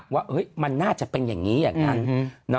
ว่ามันน่าจะเป็นอย่างนี้อย่างนั้น